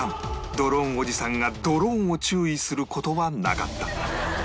ドローンおじさんがドローンを注意する事はなかった